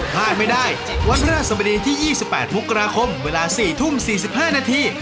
พลาดไม่ได้วันพระราชสมดีที่๒๘มกราคมเวลา๔ทุ่ม๔๕นาที